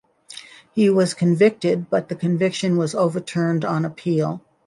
He was convicted but the conviction was overturned on appeal.